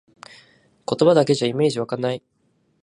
言葉だけじゃイメージわかない